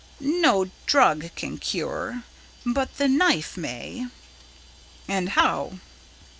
"No drug can cure, but the knife may." "And how?"